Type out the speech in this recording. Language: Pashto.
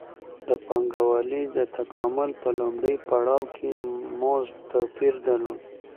د پانګوالۍ د تکامل په لومړي پړاو کې مزد توپیر درلود